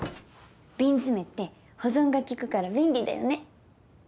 瓶詰って保存が利くから便利だよね。